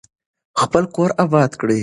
خپل کور اباد کړئ.